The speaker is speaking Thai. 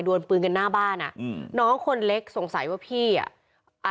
วนปืนกันหน้าบ้านอ่ะอืมน้องคนเล็กสงสัยว่าพี่อ่ะ